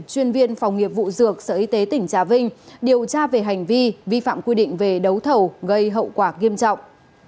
chuyên viên phòng nghiệp vụ dược sở y tế tỉnh trà vinh điều tra về hành vi vi phạm quy định về đấu thầu gây hậu quả nghiêm trọng